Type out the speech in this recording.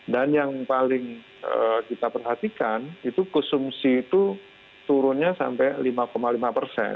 dan yang paling kita perhatikan itu konsumsi itu turunnya sampai lima lima persen